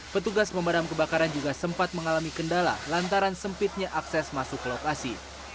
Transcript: petugas pemadam kebakaran juga sempat mengalami kendala lantaran sempitnya akses masuk ke lokasi